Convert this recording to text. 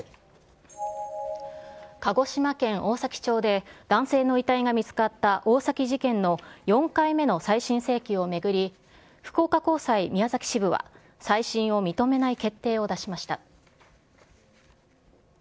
鹿児島県大崎町で男性の遺体が見つかった、大崎事件の４回目の再審請求を巡り、福岡高裁宮崎支部は、再審を認めない決定を出しました。